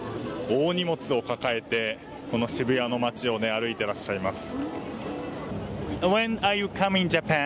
大荷物を抱えて、渋谷の街を歩いてらっしゃいます。